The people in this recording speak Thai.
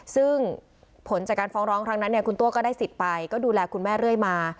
ซึ่งผลจากการฟ้องร้องครั้งนั้นเนี่ยคุณตัวก็ได้สิทธิ์ไปก็ดูแลคุณแม่เรื่อยมา